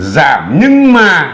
giảm nhưng mà